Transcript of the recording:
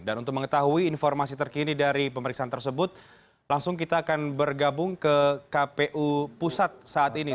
dan untuk mengetahui informasi terkini dari pemeriksaan tersebut langsung kita akan bergabung ke kpu pusat saat ini